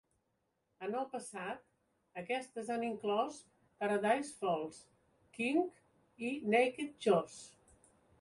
En el passat, aquestes han inclòs "Paradise Falls", "KinK" i "Naked Josh".